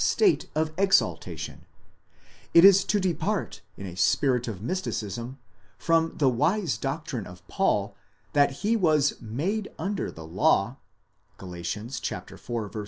state of exaltation: it is to depart, in a spirit of mysticism, from the wise doctrine of Paul, that he was made under the law, γενόμενος ὑπὸ νόμον (Gal.